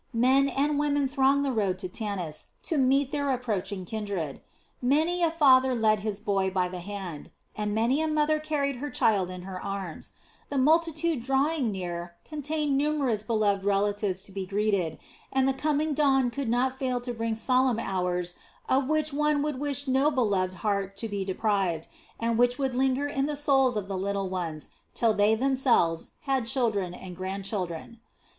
Men and women thronged the road to Tanis to meet their approaching kindred. Many a father led his boy by the hand, and many a mother carried her child in her arms; the multitude drawing near contained numerous beloved relatives to be greeted, and the coming dawn could not fail to bring solemn hours of which one would wish no beloved heart to be deprived, and which would linger in the souls of the little ones till they themselves had children and grandchildren.